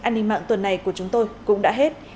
an ninh mạng tuần này của chúng tôi cũng đã hết